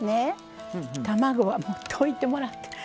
卵はもう溶いてもらってる。